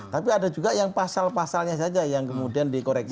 tapi ada juga yang pasal pasalnya saja yang kemudian dikoreksi